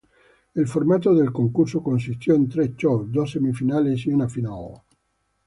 El formato del concurso consistió en tres shows: dos semifinales y una final.